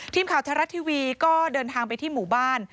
ทีมข่าวไทยรัฐทีวีก็เดินทางไปที่หมู่บ้าน